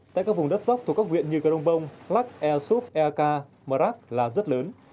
tại các vùng đất dốc thuộc các viện như cà đông bông lắc ea sốt ea ca mă rắc là rất lớn